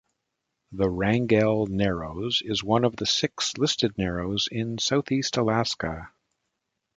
The Wrangell Narrows is one of the six Listed narrows in Southeast Alaska.